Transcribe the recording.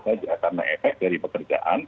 saja karena efek dari pekerjaan